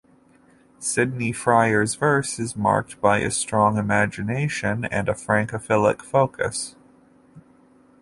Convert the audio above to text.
Sidney-Fryer's verse is marked by a strong imagination, and a Francophilic focus.